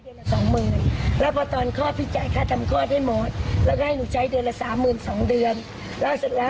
อย่าเอาลูกให้ฉันเป็นบุคคุณธรรมฉันก็จะเลี้ยงไว้